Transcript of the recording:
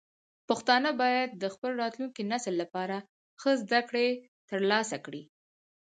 پښتانه باید د خپل راتلونکي نسل لپاره ښه زده کړې ترلاسه کړي.